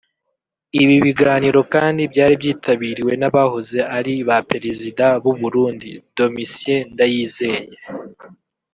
Ibi biganiro kandi byari byitabiriwe n’abahoze ari ba Perezida b’u Burundi; Domitien Ndayizeye